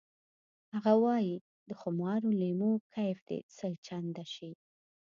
هغه وایی د خمارو لیمو کیف دې سل چنده شي